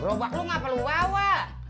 berobak lu gak perlu bawa